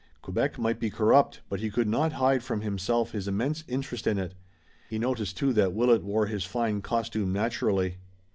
Quebec might be corrupt but he could not hide from himself his immense interest in it. He noticed, too, that Willet wore his fine costume naturally.